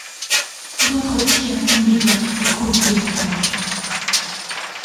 D'autres tirs atteignent les docks et coulent deux navires marchands.